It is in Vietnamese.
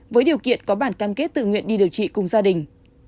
với điều kiện có bản cam kết tự nguyện đi điều trị cùng gia đình